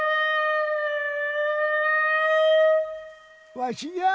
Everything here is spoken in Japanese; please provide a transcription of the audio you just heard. わしじゃあ！